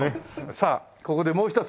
さあここでもう一つ。